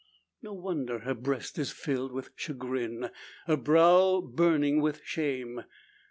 No wonder her breast is filled with chagrin, and her brow burning with shame!